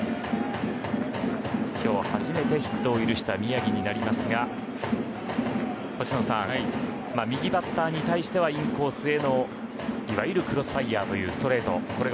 今日初めてヒットを許した宮城になりますが星野さん右バッターに対してはインコースへのいわゆるクロスファイヤーというストレート。